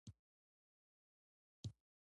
سیلابونه د افغانستان د زرغونتیا یوه څرګنده نښه ده.